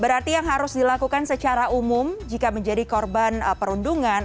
berarti yang harus dilakukan secara umum jika menjadi korban perundungan